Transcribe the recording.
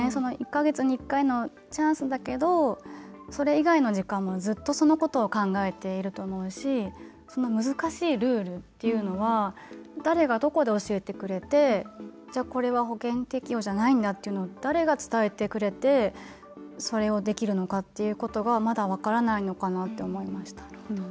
１か月に１回のチャンスだけどそれ以外の時間もずっとそのことを考えていると思うし難しいルールっていうのは誰がどこで教えてくれてこれは保険適用じゃないんだっていうのは誰が伝えてくれてそれをできるのかっていうことがまだ分からないのかなって思いました。